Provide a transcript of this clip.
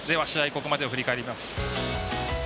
ここまでを振り返ります。